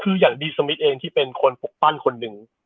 คืออย่างดีสมิทเองที่เป็นคนปกปั้นคนหนึ่ง